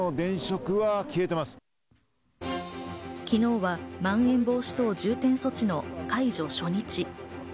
昨日はまん延防止等重点措置の解除初日。